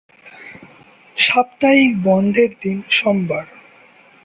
সাপ্তাহিক বন্ধের দিন সোমবার।